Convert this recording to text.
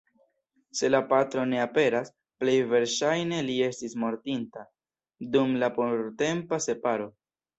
Se la patro ne aperas, plej verŝajne li estis mortinta dum la portempa separo.